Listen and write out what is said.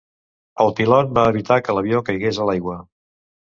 El pilot va evitar que l'avió caigués a l'aigua.